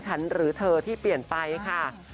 หรือเธอที่เปลี่ยนไปค่ะ